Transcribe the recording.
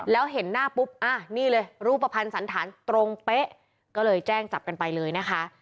แล้วเห็นหน้าปุ๊บอ่ะนี่เลยรูปภัณฑ์สันฐานตรงเป๊ะก็เลยแจ้งจับกันไปเลยนะคะ